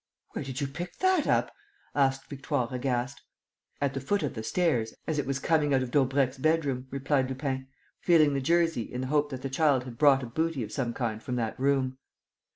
"Where did you pick that up?" asked Victoire, aghast. "At the foot of the stairs, as it was coming out of Daubrecq's bedroom," replied Lupin, feeling the jersey in the hope that the child had brought a booty of some kind from that room.